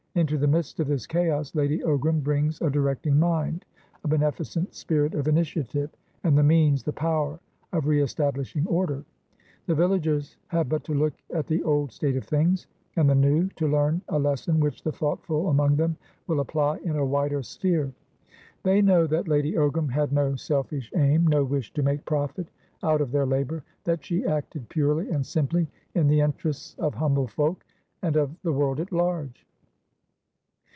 Into the midst of this chaos, Lady Ogram brings a directing mind, a beneficent spirit of initiative, and the means, the power, of re establishing order. The villagers have but to look at the old state of things and the new to learn a lesson which the thoughtful among them will apply in a wider sphere. They know that Lady Ogram had no selfish aim, no wish to make profit out of their labour; that she acted purely and simply in the interests of humble folkand of the world at large.